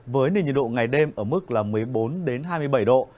với nền nhiệt độ ngày đêm ở mức là một mươi bốn hai mươi bảy độ